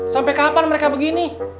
sampai kapan mereka begini